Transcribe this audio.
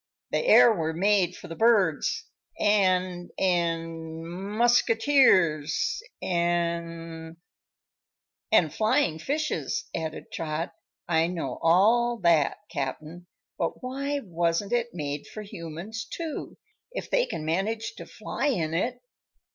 The air were made for the birds, an' an' muskeeters, an' " "An' flyin' fishes," added Trot. "I know all that, Cap'n; but why wasn't it made for humans, too, if they can manage to fly in it?